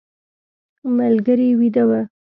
ملګري ویده و.